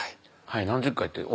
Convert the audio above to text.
はい何十回って。